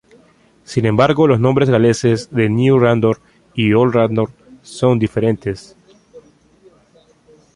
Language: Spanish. Sin embargo, los nombres galeses de New Radnor y Old Radnor son diferentes.